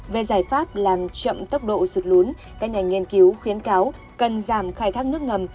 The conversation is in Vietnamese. về giải pháp làm chậm tốc độ sụt lún các nhà nghiên cứu khuyến cáo cần giảm khai thác nước ngầm